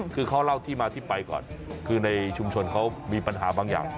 คือเขาเล่าที่มาที่ไปก่อนคือในชุมชนเขามีปัญหาบางอย่าง